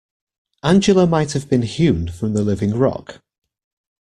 Angela might have been hewn from the living rock.